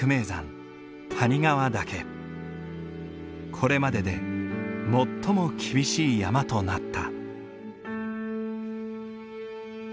これまでで最も厳しい山となった。